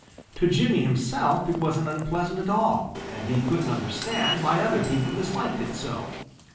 To Jimmy himself it wasn't unpleasant at all, and he couldn't understand why other people disliked it so.